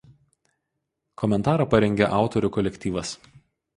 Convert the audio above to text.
Komentarą parengė autorių kolektyvas.